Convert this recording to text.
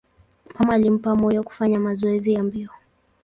Mama alimpa moyo kufanya mazoezi ya mbio.